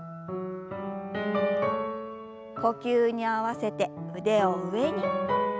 呼吸に合わせて腕を上に。